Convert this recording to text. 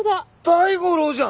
大五郎じゃん！